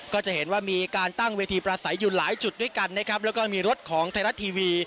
ก็จะเห็นว่ามีการตั้งเวทีประสัยอยู่หลายจุดด้วยกันนะครับแล้วก็มีรถของไทยรัฐทีวี